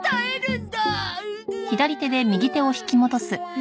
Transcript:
ん？